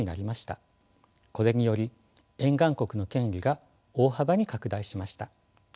これにより沿岸国の権利が大幅に拡大しました。